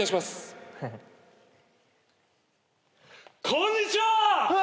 こんにちは！